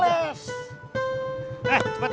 gak ada apa apa